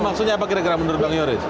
maksudnya apa kira kira menurut bang yoris